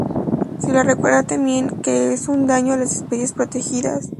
Se le recuerda también que es un daño a las especies protegidas